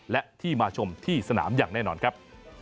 และที่มาชมที่สนามอย่างแน่นอนครับ